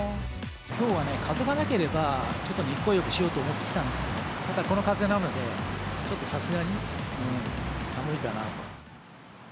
きょうはね、風がなければ、ちょっと日光浴しようと思ってきたんですけど、この風なので、ちょっとさすがに寒いかなと。